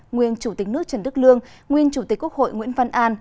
nguyên chủ tịch nước trần đức lương nguyên chủ tịch quốc hội nguyễn văn an